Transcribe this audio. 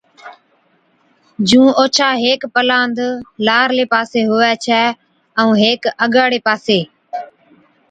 جُون اوڇا ھيڪ پَلاند لارلي پاسي ھُوي ڇَي ائُون ھيڪ اَگاڙي پاسي